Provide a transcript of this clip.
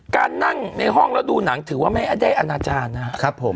การนั่งในห้องแล้วดูหนังถือว่าไม่ได้อนาจารย์นะครับผม